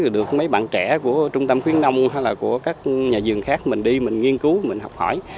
được mấy bạn trẻ của trung tâm khuyến nông hay là của các nhà vườn khác mình đi mình nghiên cứu mình học hỏi